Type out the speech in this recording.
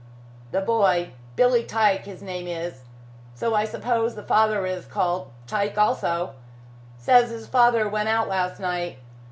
"The boy Billy Tyke his name is, so I suppose the father is called Tyke also says his father went out last night.